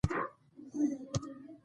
علي د خپل لاس خواري خوري.